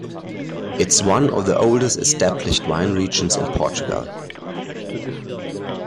It is one of the oldest established wine regions in Portugal.